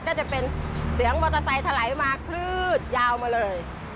ก็จะเป็นเสียงมอเตอร์ไซค์ถลายมาคลืดยาวมาเลย